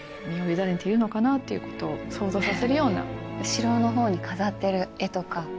後ろの方に飾ってる絵とか。